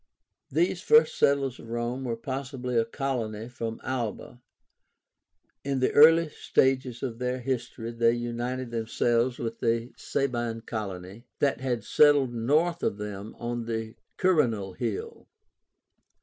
These first settlers of Rome were possibly a colony from Alba. In the early stages of their history they united themselves with a Sabine colony that had settled north of them on the QUIRÍNAL HILL.